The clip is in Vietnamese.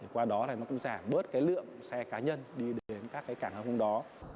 qua đó giảm bớt lượng xe cá nhân đi đến các cảng hàng không đó